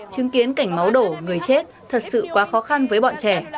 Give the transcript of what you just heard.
chứng kiến cảnh máu đổ người chết thật sự quá khó khăn với bọn trẻ